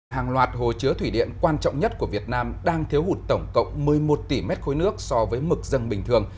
hàng loạt hồ chứa thủy điện quan trọng nhất của việt nam đang thiếu hụt tổng cộng một mươi một tỷ m ba nước so với mực dân bình thường